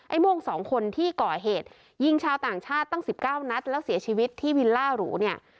ม่วงสองคนที่ก่อเหตุยิงชาวต่างชาติตั้ง๑๙นัดแล้วเสียชีวิตที่วิลล่าหรูเนี่ย